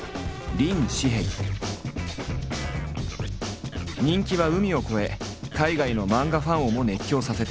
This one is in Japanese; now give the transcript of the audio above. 人気は海を超え海外の漫画ファンをも熱狂させている。